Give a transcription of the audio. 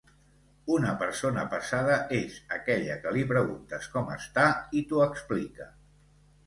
Una persona pesada és aquella que li preguntes com està i t'ho explica.